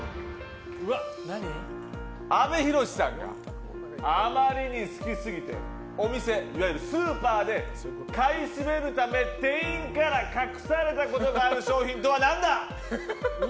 阿部寛さんがあまりに好きすぎてお店、スーパーで買い占めるため店員から隠されたことがある商品とは何だ？